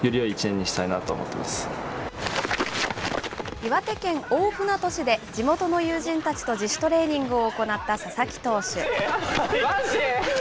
岩手県大船渡市で、地元の友人たちと自主トレーニングを行った佐々木投手。